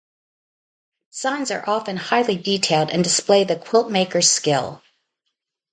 Designs are often highly detailed, and display the quiltmaker's skill.